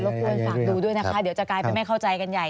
กวนฝากดูด้วยนะคะเดี๋ยวจะกลายเป็นไม่เข้าใจกันใหญ่